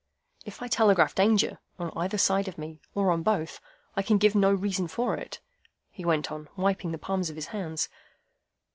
"If I telegraph Danger, on either side of me, or on both, I can give no reason for it," he went on, wiping the palms of his hands.